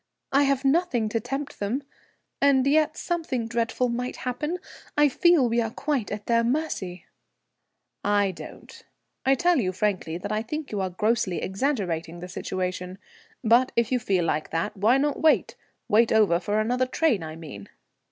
"I have nothing to tempt them. And yet something dreadful might happen; I feel we are quite at their mercy." "I don't. I tell you frankly that I think you are grossly exaggerating the situation. But if you feel like that, why not wait? Wait over for another train, I mean?"